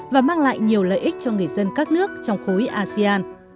và mang lại nhiều lợi ích cho người dân các nước trong khối asean